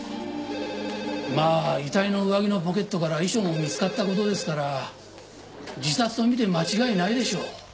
まあ遺体の上着のポケットから遺書も見つかった事ですから自殺とみて間違いないでしょう。